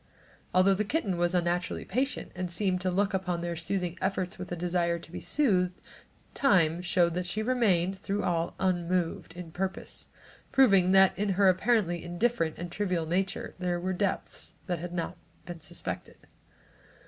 Although the kitten was unnaturally patient and seemed to look upon their soothing efforts with a desire to be soothed, time showed that she remained, through all, unmoved in purpose, proving that in her apparently indifferent and trivial nature there were depths that had not been suspected.